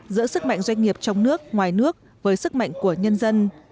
giữa sức mạnh doanh nghiệp trong nước ngoài nước với sức mạnh của nhân dân